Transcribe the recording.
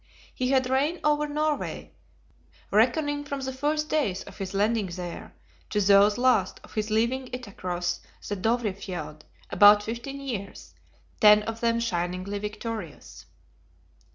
He had reigned over Norway, reckoning from the first days of his landing there to those last of his leaving it across the Dovrefjeld, about fifteen years, ten of them shiningly victorious.